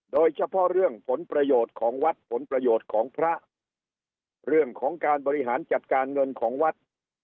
โดยเฉพาะเรื่องผลประโยชน์ของวัดผลประโยชน์ของพระเรื่องของการบริหารจัดการเงินของวัด